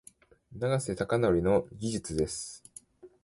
永瀬貴規の技術です。